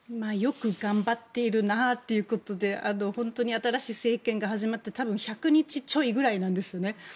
よく頑張っているなということで本当に新しい政権が始まって多分１００日ちょいぐらいなんですよね。